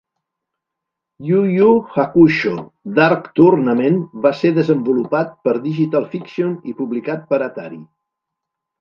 "Yu Yu Hakusho: Dark Tournament" va ser desenvolupat per Digital Fiction i publicat per Atari.